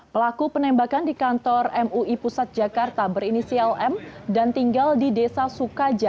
pelaku penembakan di kantor mui pusat jakarta berinisial m dan tinggal di desa sukaja